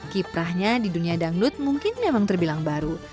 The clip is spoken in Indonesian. kiprahnya di dunia dangdut mungkin memang terbilang baru